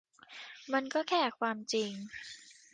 มันก็แค่ความจริง